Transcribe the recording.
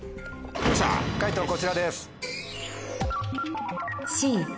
解答こちらです。